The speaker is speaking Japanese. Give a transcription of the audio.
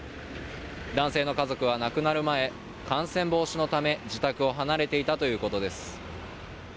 男性の家族は亡くなる前感染防止のため自宅を離れていたということです。